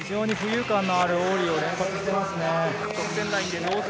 浮遊感のあるオーリーを連発していますね。